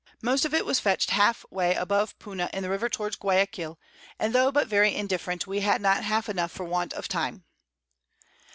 Most of it was fetch'd half Way above Puna, in the River towards Guiaquil, and tho' but very indifferent, we had not half enough for want of Time.